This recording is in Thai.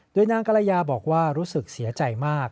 โดยนางกรยาบอกว่ารู้สึกเสียใจมาก